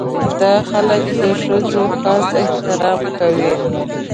دا خلک د ښځو خاص احترام کوي.